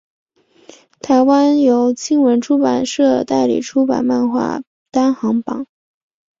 台湾由青文出版社代理出版漫画单行本。